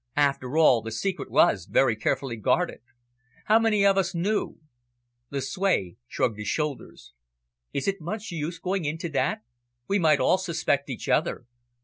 After all, the secret was very carefully guarded. How many of us knew?" Lucue shrugged his shoulders. "Is it much use going into that? We might all suspect each other.